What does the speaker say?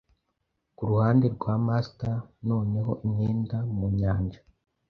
Kuruhande rwa masta noneho imyenda mu nyanja